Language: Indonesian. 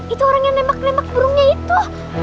itu orang yang nembak nembak burungnya itu